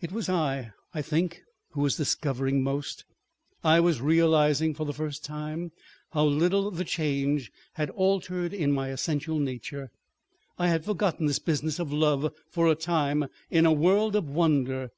It was I, I think, who was discovering most. I was realizing for the first time how little the Change had altered in my essential nature. I had forgotten this business of love for a time in a world of wonder.